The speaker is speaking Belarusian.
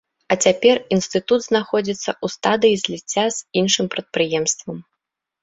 А цяпер інстытут знаходзіцца ў стадыі зліцця з іншым прадпрыемствам.